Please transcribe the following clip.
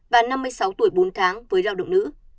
và năm mươi sáu tuổi bốn tháng với lao động nữ